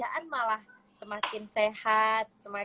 udah kalau kalau aku menganggap